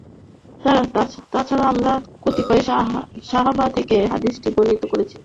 তাছাড়া আরো কতিপয় সাহাবা থেকেও হাদীসটি বর্ণিত হয়েছে যা আমরা উপরে উল্লেখ করে এসেছি।